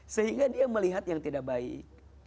sehingga dia melihat yang tidak baik